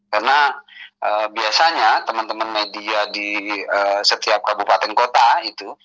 karena biasanya teman teman media di setiap kabupaten kota itu